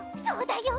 そうだよ！